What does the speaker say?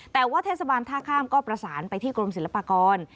แต่ว่าเทศบาลท่าข้ามก็ประสานไปที่กรมศิลปากร